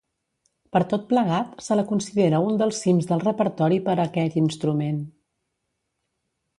Per tot plegat se la considera un dels cims del repertori per a aquest instrument.